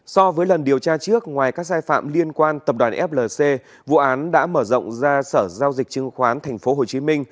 so với lần điều tra trước ngoài các sai phạm liên quan tập đoàn flc vụ án đã mở rộng ra sở giao dịch chứng khoán tp hcm